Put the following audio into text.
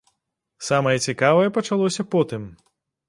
Самае цікавае пачалося потым.